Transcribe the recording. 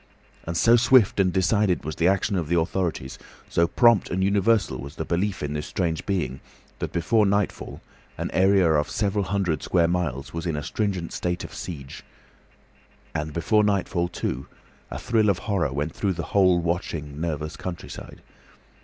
And so swift and decided was the action of the authorities, so prompt and universal was the belief in this strange being, that before nightfall an area of several hundred square miles was in a stringent state of siege. And before nightfall, too, a thrill of horror went through the whole watching nervous countryside.